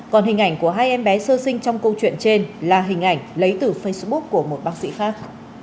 còn hình ảnh của hai em bé sơ sinh trong câu chuyện trên là hình ảnh lấy từ facebook của một bác sĩ khác